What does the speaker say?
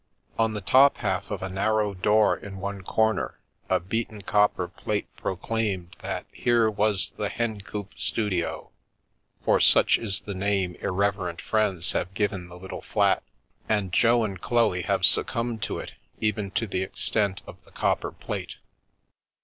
On the top half of a narrow door in one corner a beaten copper plate pro claimed that here was the " Hencoop Studio," for such is the name irreverent friends have given the little flat, The Babes in St. John's Wood and Jo and Chloe have succumbed to it even to the ex tent of the copper plate.